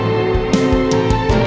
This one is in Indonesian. lu udah ngapain